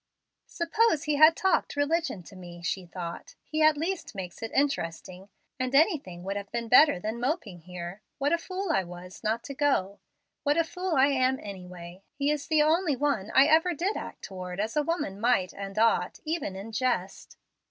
"Suppose he had talked religion to me," she thought, "he at least makes it interesting, and anything would have been better than moping here. What a fool I was, not to go! What a fool I am, anyway! He is the only one I ever did act towards as a woman might and ought, even in jest.